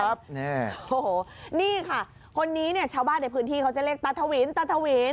โอ้โหนี่ค่ะคนนี้เนี่ยชาวบ้านในพื้นที่เขาจะเรียกตาทวินตาทวิน